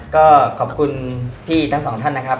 ก็ขอบคุณพี่ทั้งสองท่านนะครับ